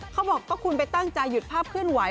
เขาบอกก็คุณไปตั้งใจหยุดภาพเคลื่อนไห